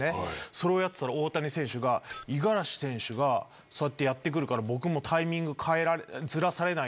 それをやってたら大谷選手が五十嵐選手がそうやってやってくるから僕もタイミングずらされないように。